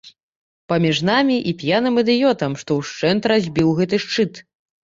Паміж намі і п'яным ідыётам, што ўшчэнт разбіў гэты шчыт.